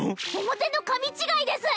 表の紙違いです！